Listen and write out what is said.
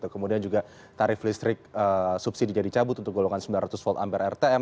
kemudian juga tarif listrik subsidi jadi cabut untuk golongan sembilan ratus volt ampere rtm